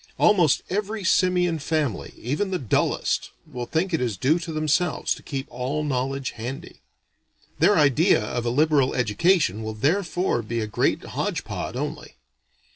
Almost every simian family, even the dullest, will think it is due to themselves to keep all knowledge handy. Their idea of a liberal education will therefore be a great hodge pod only.